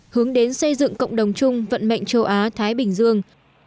hướng đến xây dựng cộng đồng chung vận mệnh châu á thái bình dương